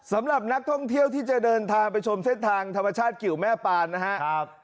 สำหรับนักท่องเที่ยวที่จะเดินทางไปชมเส้นทางธรรมชาติกิวแม่ปานนะครับ